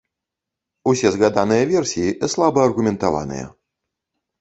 Усе згаданыя версіі слаба аргументаваныя.